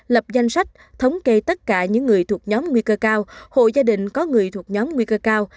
lập danh sách thống kê tất cả những người thuộc nhóm nguy cơ cao hộ gia đình có người thuộc nhóm nguy cơ cao